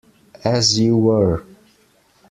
As you were!